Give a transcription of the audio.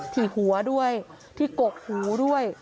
ที่หัวด้วยที่กกหูด้วย